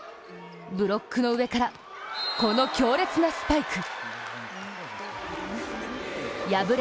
ブロックの上からこの強烈なスパイク。